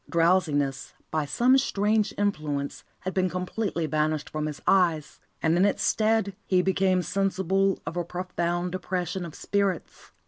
Drowsiness, by some strange influence, had been completely banished from his eyes, and in its stead he became sensible of a profound depression of spirits.